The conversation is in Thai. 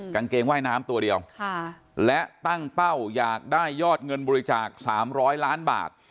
กางเกงว่ายน้ำตัวเดียวและตั้งเป้าอยากได้ยอดเงินบริจาค๓๐๐ล้านบาท